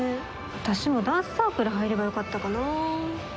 わたしもダンスサークル入ればよかったかなあ。